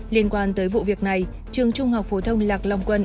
liên quan tới vụ việc này trường trung học phổ thông lạc long quân